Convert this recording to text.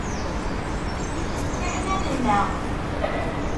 Fiḥel ad nennaɣ!